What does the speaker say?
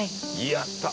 やった！